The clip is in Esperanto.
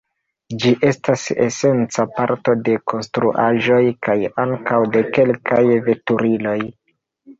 Ĝi estas esenca parto de konstruaĵoj kaj ankaŭ de kelkaj veturiloj.